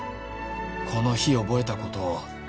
「この日覚えたことを」